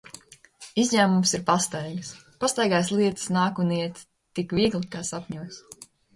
Izņēmums ir pastaigas. Pastaigās lietas nāk un iet tik viegli, kā sapņos.